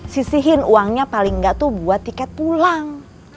sisihin uangnya paling enggak buat tiket pulang